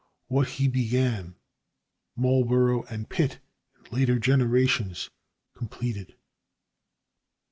What he began, Marlborough and Pitt, in later generations, completed.